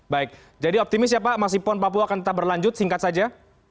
baik jadi optimis ya pak masih pon papua akan tetap berlanjut singkat saja